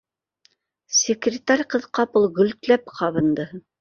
Секретарь ҡыҙ ҡапыл гөлтләп ҡабынды